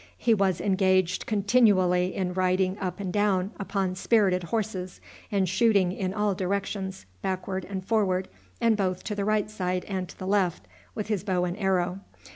He was engaged continually in riding up and down upon spirited horses, and shooting in all directions, backward and forward, and both to the right side and to the left, with his bow and arrow.